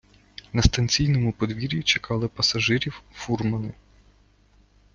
На станційному подвір'ї чекали пасажирів фурмани.